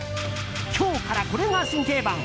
今日からこれが新定番。